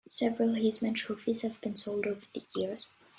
Several Heisman trophies have been sold over the years.